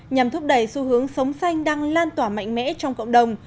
nhằm thúc đẩy xu hướng sống xanh đang lan tỏa mạnh mẽ trong cộng đồng